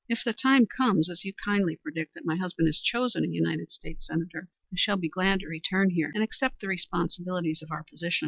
If the time comes, as you kindly predict, that my husband is chosen a United States Senator, I shall be glad to return here and accept the responsibilities of our position.